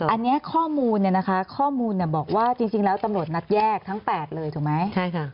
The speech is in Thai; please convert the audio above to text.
อันนี้ข้อมูลเนี่ยนะคะข้อมูลบอกว่าจริงแล้วตำรวจนัดแยกทั้ง๘เลยถูกไหมใช่ค่ะ